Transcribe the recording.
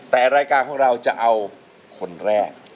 แต่รายการของเราจะเอาคนแรก